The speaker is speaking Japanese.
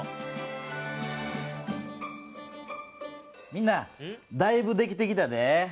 みんな！だいぶできてきたでぇ。